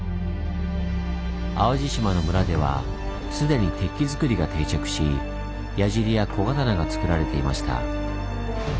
淡路島のムラでは既に鉄器づくりが定着し矢じりや小刀がつくられていました。